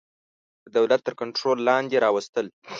د دولت تر کنټرول لاندي راوستل.